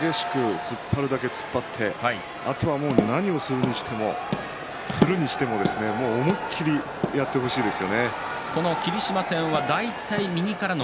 高安は激しく突っ張るだけ突っ張ってあとは何をするにしても思いっきりやってほしいですね。